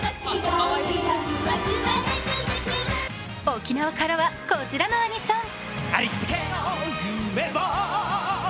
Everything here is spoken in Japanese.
沖縄からはこちらのアニソン。